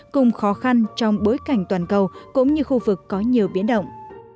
cùng khó khăn trong bối cảnh toàn cầu cũng như khu vực có nhiều biến động